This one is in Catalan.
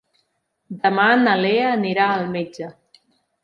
Demà na Lea anirà al metge.